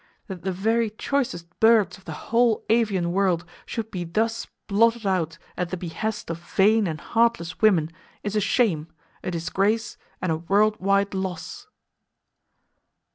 That the very choicest birds of the whole avian world should be thus blotted out at the behest of vain and heartless women is a shame, a disgrace and world wide loss.